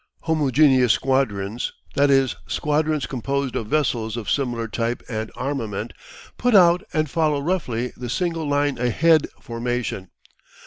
Homogeneous squadrons, that is, squadrons composed of vessels of similar type and armament, put out and follow roughly the "single line ahead" formation.